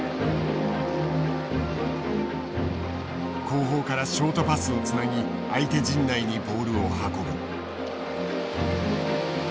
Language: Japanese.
後方からショートパスをつなぎ相手陣内にボールを運ぶ。